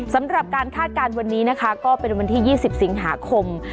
สำหรับการคาดการณ์วันนี้นะคะก็เป็นวันที่๒๐สิงหาคม